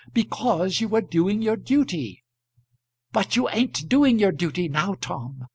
Because you were doing your duty. But you ain't doing your duty now, Tom.